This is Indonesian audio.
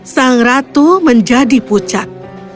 sang ratu menjadi pucat